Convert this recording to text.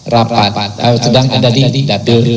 rapat sedang ada didatil